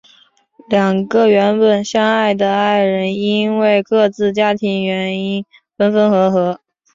两个原本相恋的爱人因为各自家庭的原因分分合合。